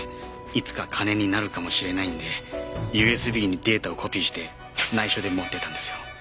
いつか金になるかもしれないんでＵＳＢにデータをコピーして内緒で持ってたんですよ。